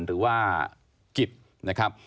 หรือว่ากิจนะครับ